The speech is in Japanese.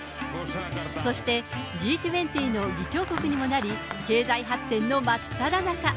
そしてＧ２０の議長国にもなり、経済発展の真っただ中。